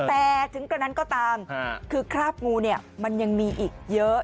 แต่ถึงกระนั้นก็ตามคือคราบงูเนี่ยมันยังมีอีกเยอะ